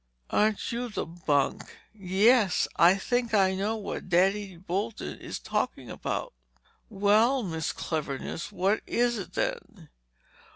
"Aren't you the bunk! Yes, I think I know what Daddy Bolton is talking about." "Well, Miss Cleverness, what is it then?"